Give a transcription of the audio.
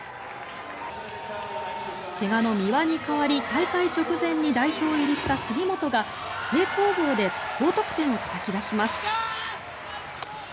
怪我の三輪に代わり大会直前に代表入りした杉本が平行棒で高得点をたたき出します。